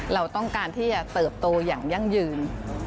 เราต้องการที่จะเติบโตอย่างยั่งยืน